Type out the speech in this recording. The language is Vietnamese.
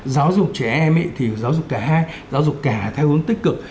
giáo dục trẻ em thì giáo dục cả hai giáo dục cả theo hướng tích cực